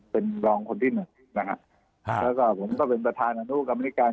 เป็นรองคนที่หนึ่งนะฮะแล้วก็ผมก็เป็นประธานอนุกรรมนิการ